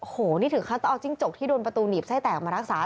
โหนี่ถึงเขาเอาจิ้งจกที่โดนประตูหนีบไส้แตกมารักษา